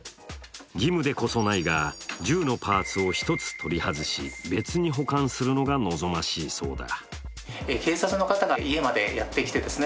義務でこそないが、銃のパーツを一つ取り外し別に保管するのが望ましいそうだ。